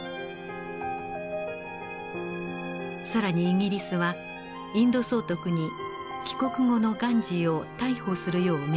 更にイギリスはインド総督に帰国後のガンジーを逮捕するよう命じました。